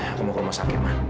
aku mau ke rumah sakit